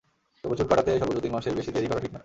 তবে চুল কাটাতে সর্বোচ্চ তিন মাসের বেশি দেরি করা ঠিক নয়।